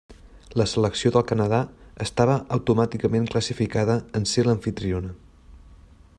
La selecció del Canadà estava automàticament classificada en ser l'amfitriona.